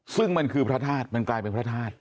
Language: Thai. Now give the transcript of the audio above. ซึ่งมันคือพระธาตุมันกลายเป็นพระธาตุ